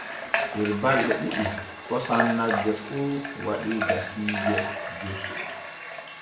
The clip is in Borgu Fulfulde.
Der balɗe ɗiɗi kosam nagge fu waɗii kasiije joy.